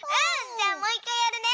じゃあもう１かいやるね。